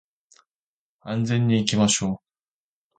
安全に行きましょう